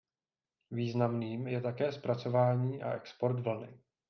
Významným je také zpracování a export vlny.